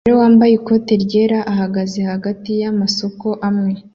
umugore wambaye ikote ryera ahagaze hagati yamasoko amwe